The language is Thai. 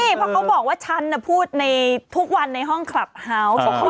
เพราะเขาบอกว่าฉันพูดในทุกวันในห้องคลับเฮาส์